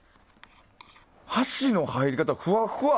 箸の入り方、ふわっふわ。